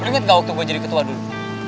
lo ingat gak waktu gue jadi ketua dulu